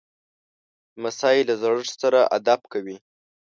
لمسی له زړښت سره ادب کوي.